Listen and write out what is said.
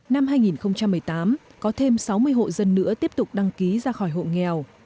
năm hai nghìn một mươi tám có thêm sáu mươi hộ dân nữa tiếp tục đăng ký ra khỏi hộ nghèo